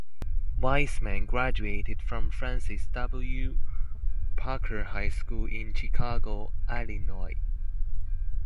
Weisman graduated from Francis W. Parker High School, in Chicago, Illinois.